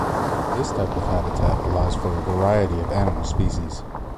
This type of habitat allows for a variety of animal species.